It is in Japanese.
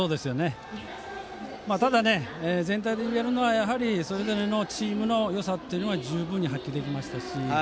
ただ、全体的にいえるのがそれぞれのチームのよさというのが十分に発揮できましたし。